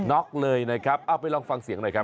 ็อกเลยนะครับเอาไปลองฟังเสียงหน่อยครับ